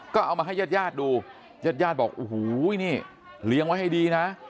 ก็เอามาให้ญาติญาติดูญาติญาติบอกโอ้โหนี่เลี้ยงไว้ให้ดีนะ